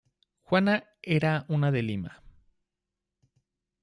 Juana era una de Lima.